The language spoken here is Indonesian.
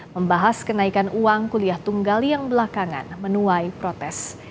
membahas kenaikan uang kuliah tunggal yang belakangan menuai protes